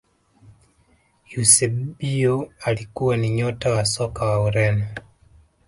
eusebio alikuwa ni nyota wa soka wa ureno